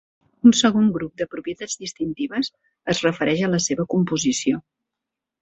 Un segon grup de propietats distintives es refereix a la seva "composició".